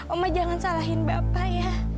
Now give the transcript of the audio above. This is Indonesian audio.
oma jangan salahin bapak ya